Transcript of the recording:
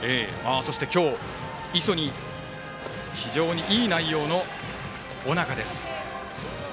そして今日磯に非常にいい内容の尾中です。